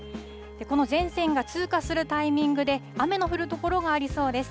この前線が通過するタイミングで、雨の降る所がありそうです。